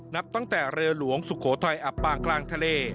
นับตั้งแต่เรือหลวงสุโขทัยอับปางกลางทะเล